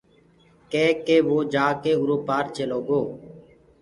ڪي ڪي وو جآڪي اُرو پآر چيلو گو۔